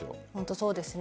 そうですね。